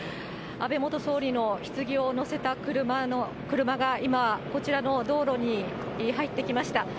安倍元総理のひつぎを乗せた車が、今、こちらの道路に入ってきました。